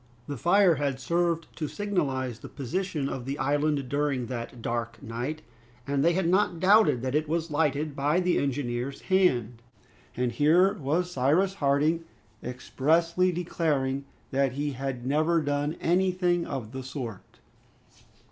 The fire had served to signalize the position of the island during that dark night, and they had not doubted that it was lighted by the engineer's hand; and here was Cyrus Harding expressly declaring that he had never done anything of the sort!